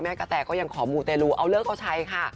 กระแตก็ยังขอมูเตลูเอาเลิกเอาใช้ค่ะ